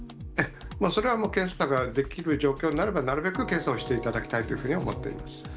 それはもう、検査ができる状況になれば、なるべく検査をしていただきたいというふうには思っています。